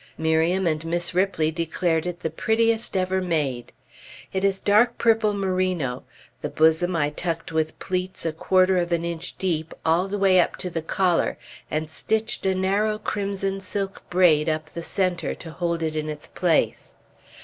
Miriam and Miss Ripley declared it the prettiest ever made. It is dark purple merino. The bosom I tucked with pleats a quarter of an inch deep, all the way up to the collar, and stitched a narrow crimson silk braid up the centre to hold it in its place.